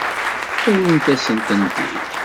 Awimt-asent-tent-id.